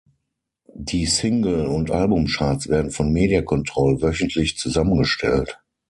Die Single- und Albumcharts werden von Media Control wöchentlich zusammengestellt.